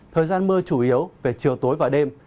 thời gian mưa chủ yếu về chiều tối và đêm